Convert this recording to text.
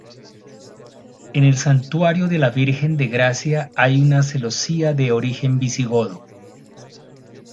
En el santuario de la Virgen de Gracia hay una celosía de origen visigodo.